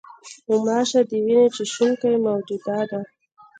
غوماشه د وینې چوشوونکې موجوده ده.